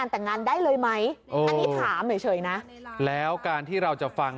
แต่งงานได้ด้วยมั้ยอันนี้ถามเหนือเฉยนะแล้วการที่เราจะฟัง